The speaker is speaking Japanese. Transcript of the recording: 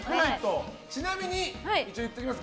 ちなみに、一応言っておきます。